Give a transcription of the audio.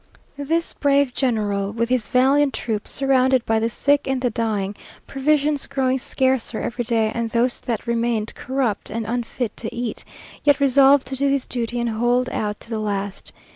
This brave general, with his valiant troops, surrounded by the sick and the dying, provisions growing scarcer every day, and those that remained corrupt and unfit to eat, yet resolved to do his duty, and hold out to the last.